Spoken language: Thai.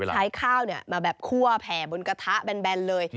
ใช้ข้าวมาแบบคั่วแผ่บนกระทะแบนเลย